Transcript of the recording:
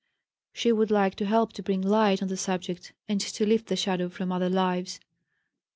She would like to help to bring light on the subject and to lift the shadow from other lives.